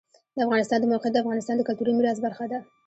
د افغانستان د موقعیت د افغانستان د کلتوري میراث برخه ده.